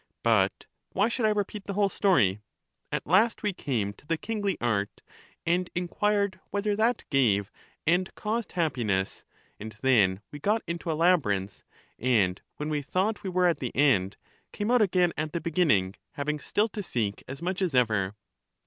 But why should I re peat the whole story? At last we came to the kingly art, and inquired whether that gave and caused hap 250 EUTHYDEMUS piness, and then we got into a labyrinth, and when we thought we were at the end, came out again at the beginning, having still to seek as much as ever.